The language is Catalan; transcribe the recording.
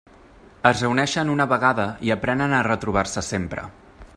Es reuneixen una vegada i aprenen a retrobar-se sempre.